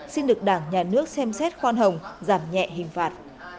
xin được đảng nhà nước xem xét khoan hồng giảm nhẹ hình phạt